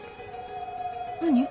何？